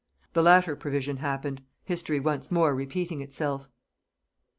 The latter prevision happened, history once more repeating itself.